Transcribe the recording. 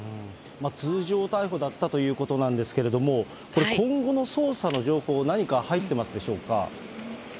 通常逮捕だったということなんですけれども、これ、今後の捜査の情報、何か入ってますでしょうか。